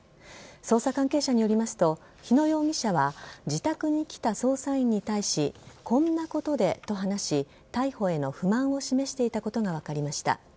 捜査関係者によりますと日野容疑者は自宅に来た捜査員に対しこんなことでと話し逮捕への不満を示していたことが分かりました。